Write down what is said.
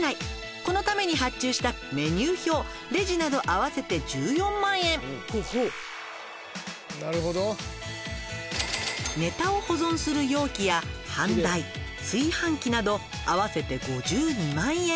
このために発注したメニュー表レジなど合わせて１４万円」「ネタを保存する容器や飯台炊飯器など合わせて５２万円」